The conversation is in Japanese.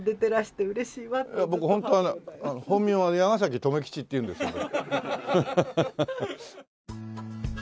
僕本当は本名は矢ヶ崎留吉っていうんですけど。